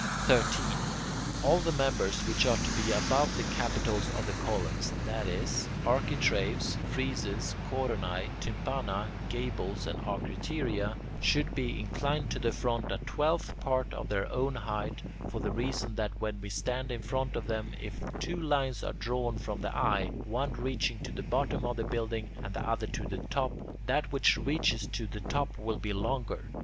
13. All the members which are to be above the capitals of the columns, that is, architraves, friezes, coronae, tympana, gables, and acroteria, should be inclined to the front a twelfth part of their own height, for the reason that when we stand in front of them, if two lines are drawn from the eye, one reaching to the bottom of the building and the other to the top, that which reaches to the top will be the longer.